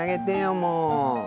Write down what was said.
もう。